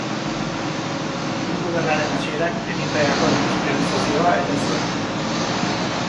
Mundu Gerraren hasierak Eritreako industrializazioa eten zuen.